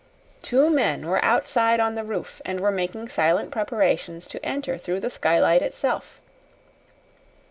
Two men were outside on the roof, and were making silent preparations to enter through the skylight itself.